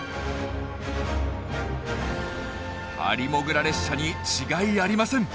ハリモグラ列車に違いありません！